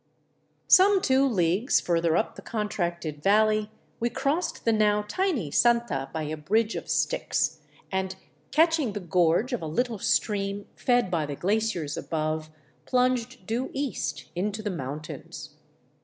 Some two leagues further up the contracted valley we crossed the now tiny Santa by a bridge of sticks and, catching the gorge of a little stream fed by the glaciers above, plunged due east into the moun tains.